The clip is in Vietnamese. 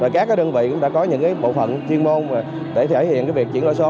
các đơn vị cũng đã có những bộ phận chuyên môn để thể hiện việc chuyển đổi số